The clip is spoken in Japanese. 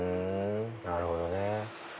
なるほどね。